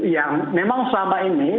yang memang selama ini